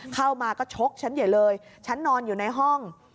เข้ามาก็ชกฉันใหญ่เลยฉันนอนอยู่ในห้อง